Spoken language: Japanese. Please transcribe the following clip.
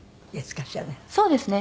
そうですね。